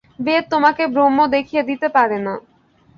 বেদ তোমাকে ব্রহ্ম দেখিয়ে দিতে পারে না।